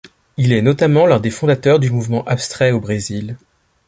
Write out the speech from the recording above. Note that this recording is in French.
Il est notamment l'un des fondateurs du mouvement abstrait au Brésil.